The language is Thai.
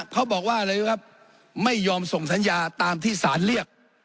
เขาบอกว่าไม่ยอมส่งสัญญาตามที่ศาลเรียก